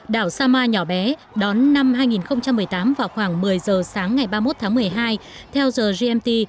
đảo sama nhỏ bé đón năm hai nghìn một mươi tám vào khoảng một mươi giờ sáng ngày ba mươi một tháng một mươi hai theo giờ gmt